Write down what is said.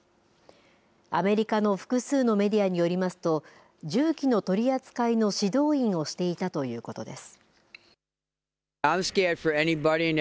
アメリカの複数のメディアによりますと銃器の取り扱いの指導員をしていたということです。